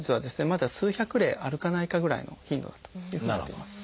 まだ数百例あるかないかぐらいの頻度だというふうになっています。